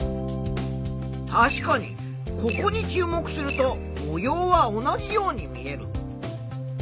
確かにここに注目すると模様は同じように見える。